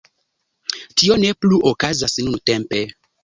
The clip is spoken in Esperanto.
Tio ne plu okazas nuntempe.